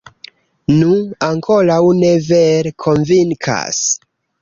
Nu, ankoraŭ ne vere konvinkas.